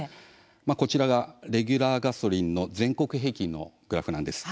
こちらがレギュラーガソリンの全国平均のグラフです。